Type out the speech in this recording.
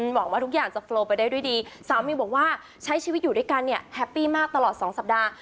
หวังว่าทุกอย่างจะโปรไปได้ด้วยดีสาวมิวบอกว่าใช้ชีวิตอยู่ด้วยกันเนี่ยแฮปปี้มากตลอดสองสัปดาห์